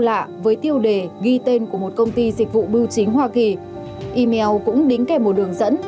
lạ với tiêu đề ghi tên của một công ty dịch vụ bưu chính hoa kỳ email cũng đính kèm một đường dẫn